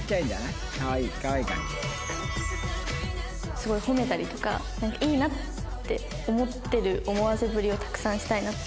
すごい褒めたりとかいいなって思ってる思わせぶりをたくさんしたいなって。